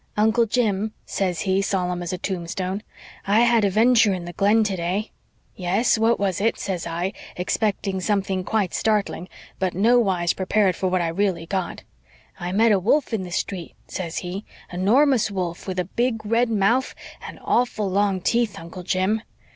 'Uncle Jim,' says he, solemn as a tombstone, 'I had a 'venture in the Glen today.' 'Yes, what was it?' says I, expecting something quite startling, but nowise prepared for what I really got. 'I met a wolf in the street,' says he, 'a 'normous wolf with a big, red mouf and AWFUL long teeth, Uncle Jim.'